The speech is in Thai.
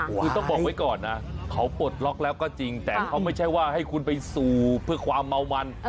คือต้องบอกไว้ก่อนนะเขาปลดล็อกแล้วก็จริงแต่เขาไม่ใช่ว่าให้คุณไปสูบเพื่อความเมามัน